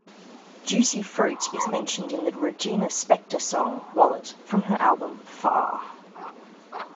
Juicy Fruit is mentioned in the Regina Spektor song Wallet, from her album Far.